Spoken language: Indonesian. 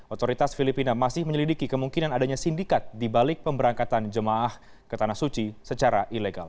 otoritas filipina masih menyelidiki kemungkinan adanya sindikat di balik pemberangkatan jemaah ke tanah suci secara ilegal